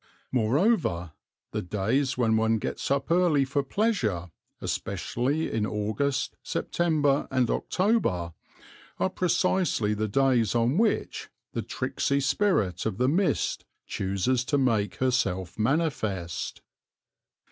Moreover, the days when one gets up early for pleasure, especially in August, September, and October, are precisely the days on which the tricksy spirit of the mist chooses to make herself manifest.